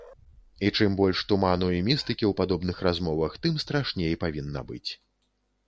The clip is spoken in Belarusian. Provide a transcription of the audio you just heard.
І чым больш туману і містыкі ў падобных размовах, тым страшней павінна быць.